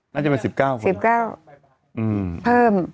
น่าจะเป็น๑๙คน